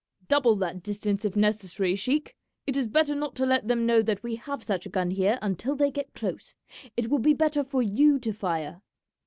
"Double that distance if necessary, sheik. It is better not to let them know that we have such a gun here until they get close. It will be better for you to fire."